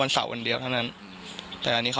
ฟังเสียงลูกจ้างรัฐตรเนธค่ะ